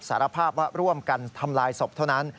สารภาพว่าร่วมกันทำลายศพเท่านั้น